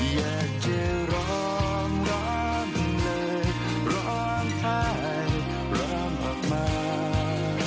อยากจะร้องร้อมเลยร้องไห้พร้อมออกมา